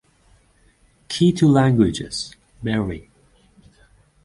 Key to languages: Bry.